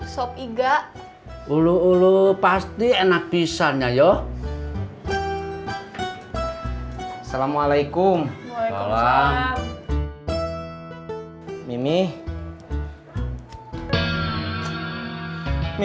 sop iga ulu ulu pasti enak pisahnya yo assalamualaikum waalaikumsalam mimi